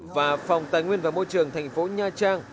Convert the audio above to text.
và phòng tài nguyên và môi trường thành phố nha trang